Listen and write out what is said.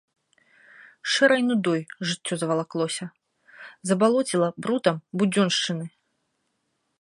Шэрай нудой жыццё завалаклося, забалоціла брудам будзёншчыны.